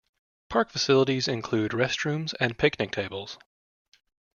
Park facilities include restrooms and picnic tables.